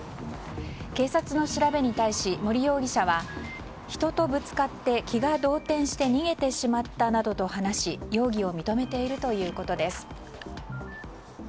警察の調べに対し、森容疑者は人とぶつかって気が動転して逃げてしまったなどと話し容疑を認めているということです。